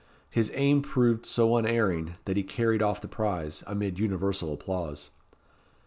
His aim proved so unerring that he carried off the prize, amid universal applause.